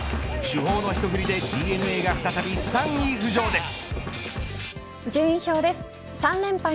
主砲の一振りでＤｅＮＡが再び３位浮上です。